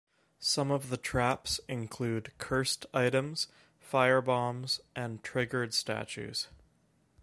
Some of the traps include cursed items, firebombs, and triggered statues.